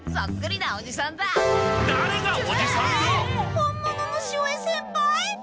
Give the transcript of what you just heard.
本物の潮江先輩！？